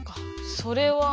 それは。